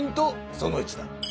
その１だ。